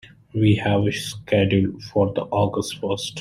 We have it scheduled for August first.